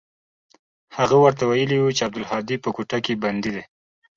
هغه ورته ويلي و چې عبدالهادي په کوټه کښې بندي دى.